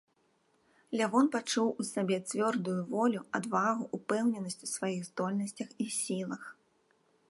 Лявон пачуў у сабе цвёрдую волю, адвагу, упэўненасць у сваіх здольнасцях і сілах.